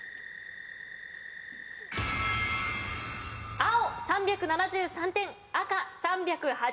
青３７３点赤３８２点。